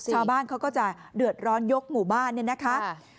ชาวบ้านเขาก็จะเดือดร้อนยกหมู่บ้านเนี่ยนะคะ